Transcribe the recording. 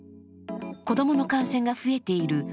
子供の感染が増えている